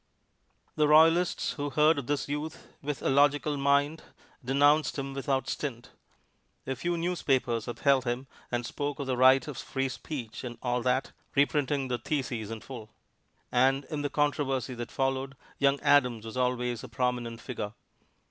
The royalists who heard of this youth with a logical mind denounced him without stint. A few newspapers upheld him and spoke of the right of free speech and all that, reprinting the thesis in full. And in the controversy that followed, young Adams was always a prominent figure.